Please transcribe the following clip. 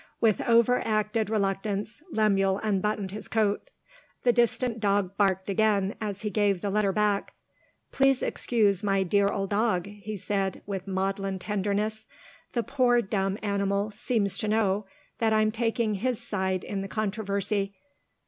With over acted reluctance, Lemuel unbuttoned his coat. The distant dog barked again as he gave the letter back. "Please excuse my dear old dog," he said with maudlin tenderness; "the poor dumb animal seems to know that I'm taking his side in the controversy.